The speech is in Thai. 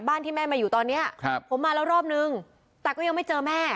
ที่แม่มาอยู่ตอนเนี้ยครับผมมาแล้วรอบนึงแต่ก็ยังไม่เจอแม่